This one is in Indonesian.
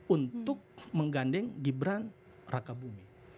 untuk menggandeng gibran raka bumi